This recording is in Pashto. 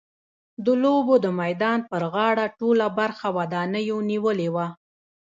د لوبو د میدان پر غاړه ټوله برخه ودانیو نیولې وه.